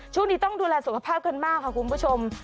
ช่วงนี้ต้องดูแลสุขภาพกันมากค่ะคุณผู้ชม